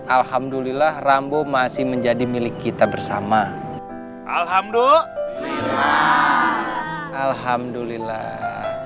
alhamdulillah rambo masih menjadi milik kita bersama alhamdulillah alhamdulillah